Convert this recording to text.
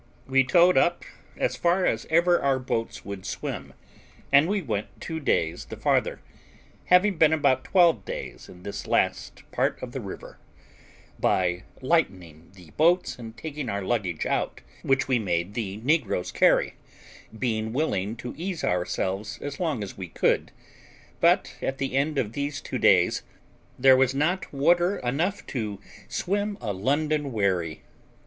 We towed up as far as ever our boats would swim, and we went two days the farther having been about twelve days in this last part of the river by lightening the boats and taking our luggage out, which we made the negroes carry, being willing to ease ourselves as long as we could; but at the end of these two days, in short, there was not water enough to swim a London wherry.